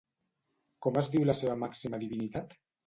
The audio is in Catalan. Com es diu la seva màxima divinitat?